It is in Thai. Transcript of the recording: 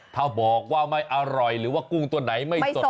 ถ้าบอกว่าไม่อร่อยหรือว่ากุ้งตัวไหนไม่สด